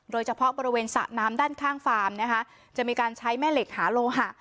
โดยเฉพาะบริเวณสระน้ำด้านข้างฟาร์มนะคะจะมีการใช้แม่เหล็กหาโลหะ